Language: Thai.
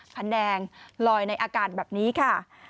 แผนแดงลอยในอากาศแบบนี้ค่ะ